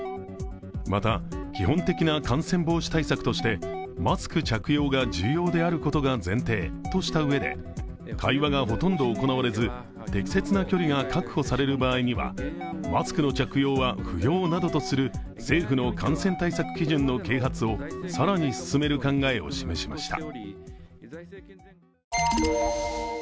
また、基本的な感染防止対策としてマスク着用が重要であることが前提としたうえで、会話がほとんど行われず、適切な距離が確保される場合にはマスクの着用は不要などとする政府の感染対策基準の啓発を更に進める考えを示しました。